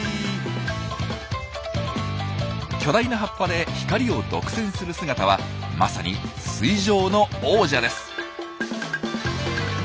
巨大な葉っぱで光を独占する姿はまさに水上の王者です。